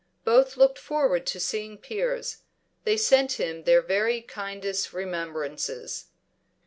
Both looked forward to seeing Piers; they sent him their very kindest remembrances.